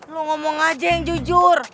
lo ngomong aja yang jujur